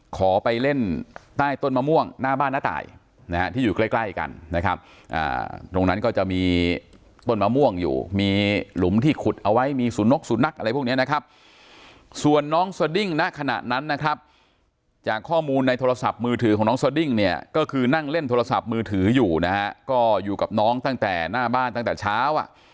ขอไปเล่นใต้ต้นมะม่วงหน้าบ้านน้าตายนะฮะที่อยู่ใกล้ใกล้กันนะครับตรงนั้นก็จะมีต้นมะม่วงอยู่มีหลุมที่ขุดเอาไว้มีสุนกสุนัขอะไรพวกนี้นะครับส่วนน้องสดิ้งณขณะนั้นนะครับจากข้อมูลในโทรศัพท์มือถือของน้องสดิ้งเนี่ยก็คือนั่งเล่นโทรศัพท์มือถืออยู่นะฮะก็อยู่กับน้องตั้งแต่หน้าบ้านตั้งแต่เช้าอ่ะ